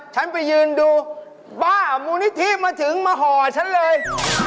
ฉันไปยืนดูบ้ามูลนิธิมาถึงมาห่อฉันเลย